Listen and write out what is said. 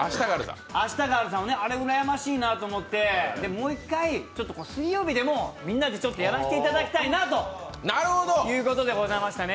「明日があるさ」をねあれうらやましいなと思ってもう１回、水曜日でもみんなでやらせていただきたいなということでございましたね。